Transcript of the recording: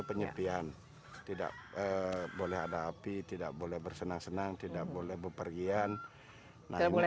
penyepian tidak boleh ada api tidak boleh bersenang senang tidak boleh bepergian mulai